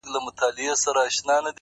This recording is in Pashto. پرمختګ د ځان له ماتولو پیلېږي،